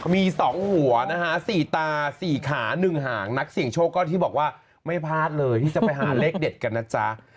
มี๒หัวนะคะ๔ตา๔ขา๑หางนักเสี่ยงโชคก็ที่บอกว่าไม่พลาดเลยที่จะไปหาเลขเด็ดกันนะจ๊ะ